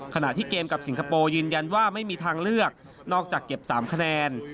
ขณะที่เกมกับสิงคโปร์ยืนยันว่าไม่มีทางเลือกนอกจากเก็บ๓คะแนน